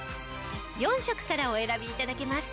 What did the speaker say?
４色からお選び頂けます。